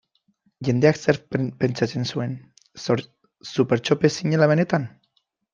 Jendeak zer pentsatzen zuen, Supertxope zinela benetan?